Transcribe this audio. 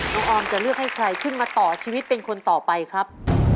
ออมจะเลือกให้ใครขึ้นมาต่อชีวิตเป็นคนต่อไปครับ